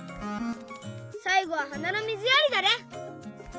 さいごははなのみずやりだね！